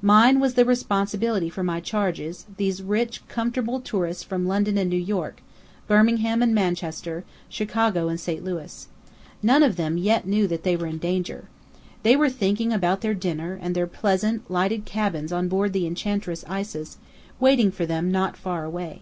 Mine was the responsibility for my charges, these rich, comfortable tourists from London and New York, Birmingham and Manchester, Chicago and St Louis. None of them knew yet that they were in danger. They were thinking about their dinner, and their pleasant, lighted cabins on board the Enchantress Isis, waiting for them not far away.